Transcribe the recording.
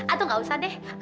atau gak usah deh